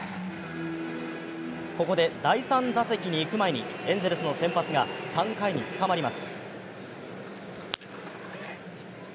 ここで第３打席に行く前にエンゼルスの先発が３回につかまります。